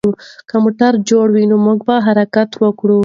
که موټر جوړ وي، موږ به حرکت وکړو.